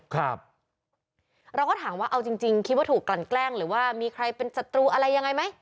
เราก็ถามว่าเอาจริงจริงคิดว่าถูกกลั่นแกล้งหรือว่ามีใครเป็นศัตรูอะไรยังไงไหม